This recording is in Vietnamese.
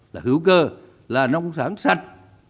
là hữu cơ là nông sản sạch